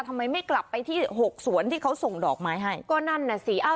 ทำไมไม่กลับไปที่หกสวนที่เขาส่งดอกไม้ให้ก็นั่นน่ะสิเอ้า